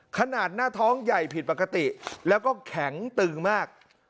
ขนาดหน้าท้องใหญ่ผิดปกติแล้วก็แข็งตึงมาก